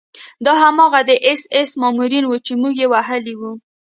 دا هماغه د اېس ایس مامورین وو چې موږ وهلي وو